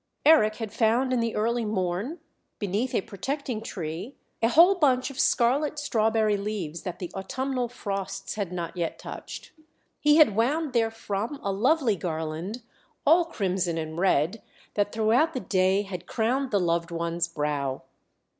Eric had found in the early morn, beneath a protecting tree, a whole bunch of scarlet strawberry leaves that the autumnal frosts had not yet touched; he had wound therefrom a lovely garland, all crimson and red, that throughout the day had crowned the loved one's brow.